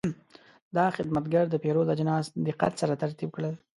دا خدمتګر د پیرود اجناس دقت سره ترتیب کړل.